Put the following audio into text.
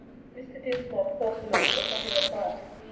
Mr. Dinsmore paused a moment before he replied.